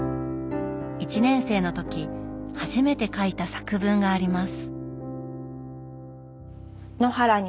１年生の時初めて書いた作文があります。